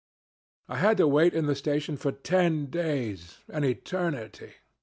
"I had to wait in the station for ten days an eternity.